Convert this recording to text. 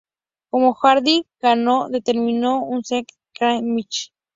Como Hardy ganó, determinó un "Steel Cage Match".